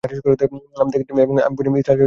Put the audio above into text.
আমি তাকে চিনি না এবং আমি বনী ইসরাঈলকে যেতে দেব না।